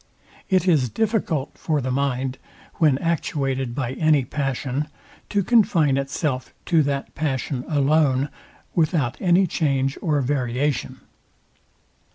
It is difficult for the mind, when actuated by any passion, to confine itself to that passion alone, without any change or variation.